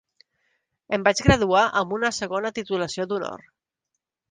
Em vaig graduar amb una segona titulació d'honor.